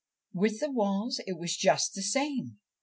With the walls it was just the same.